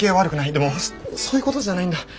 でもそういうことじゃないんだ。